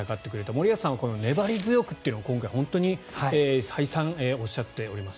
森保さんはこの粘り強くと今回、本当に再三、おっしゃっております。